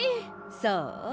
そう？